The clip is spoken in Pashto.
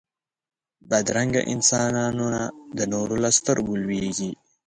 بدرنګه انسانونه د نورو له سترګو لوېږي